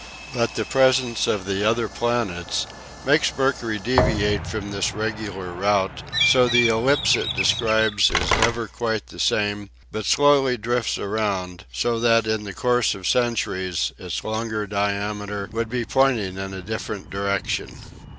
But the presence of the other planets makes Mercury deviate from this regular route so the ellipse it describes is never quite the same but slowly shifts around so that in the course of centuries its longer diameter would be pointing in a different direction.